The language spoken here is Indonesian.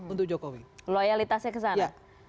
untuk jokowi loyalitasnya ke sana